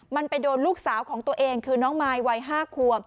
มันไปโดนลูกสาวของตัวเองคือน้องมายวัย๕ควบ